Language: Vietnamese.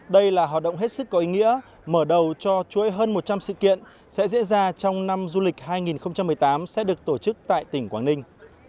đây là hoạt động hết sức có ý nghĩa mở đầu cho chuỗi hơn một trăm linh sự kiện sẽ diễn ra trong năm du lịch hai nghìn một mươi tám sẽ được tổ chức tại tỉnh quảng ninh